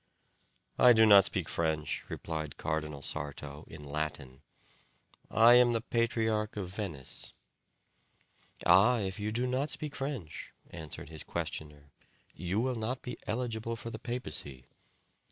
"I do not speak French," replied Cardinal Sarto, in Latin; "I am the patriarch of Venice." "Ah! if you do not speak French," answered his questioner, "you will not be eligible for the papacy."